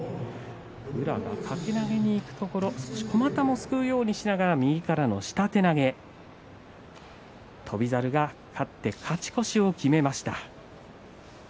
宇良が掛け投げにいくところ少し小股もすくうようにしながら右からの下手投げ翔猿が勝って勝ち越しを決めました。